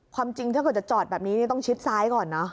ความจริงถ้าเกิดจะจอดแบบนี้ต้องชิดซ้ายก่อนเนอะ